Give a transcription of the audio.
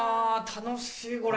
楽しいこれ。